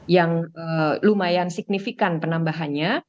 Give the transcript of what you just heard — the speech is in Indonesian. yang lumayan signifikan penambahannya